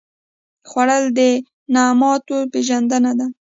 خوړل د نعماتو پېژندنه ده